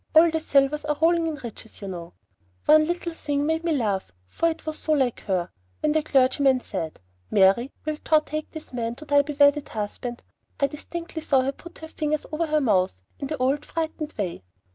All the Silvers are rolling in riches, you know. One little thing made me laugh, for it was so like her. When the clergyman said, "Mary, wilt thou take this man to be thy wedded husband?" I distinctly saw her put her fingers over her mouth in the old, frightened way.